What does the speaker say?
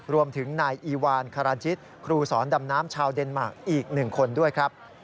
รวมถึงนายอีวานคาราจิตครูสอนดำน้ำชาวเดนมาร์คอีก๑คนด้วยครับ